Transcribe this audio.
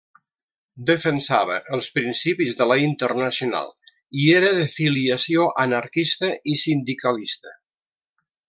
Defensava els principis de la Internacional i era de filiació anarquista i sindicalista.